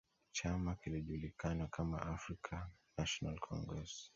chama kilijulikana kama African National Congress